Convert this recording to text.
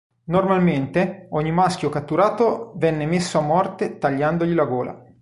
Normalmente, ogni maschio catturato venne messo a morte tagliandogli la gola.